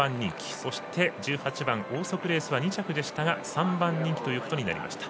そして、１８番オーソクレースは２着でしたが３番人気ということになりました。